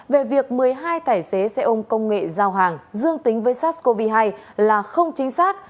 về việc một mươi hai tài xế xe ôm công nghệ giao hàng dương tính với sars cov hai là không chính xác